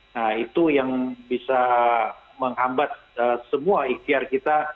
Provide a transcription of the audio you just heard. nah itu yang bisa menghambat semua ikhtiar kita